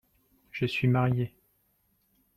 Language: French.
Je suis marié.